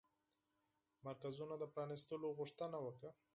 مرکزونو د پرانيستلو غوښتنه وکړه